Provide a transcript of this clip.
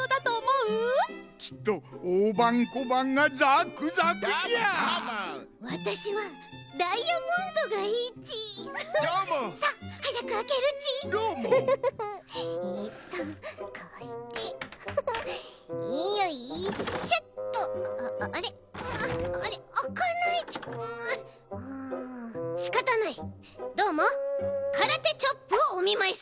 うんしかたない。